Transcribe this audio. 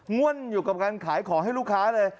ง่วนอยู่กับการขายของให้ลูกค้าเลย